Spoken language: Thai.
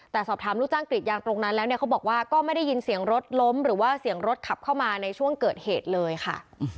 แต่สอบถามลูกจ้างกรีดยางตรงนั้นแล้วเนี่ยเขาบอกว่าก็ไม่ได้ยินเสียงรถล้มหรือว่าเสียงรถขับเข้ามาในช่วงเกิดเหตุเลยค่ะ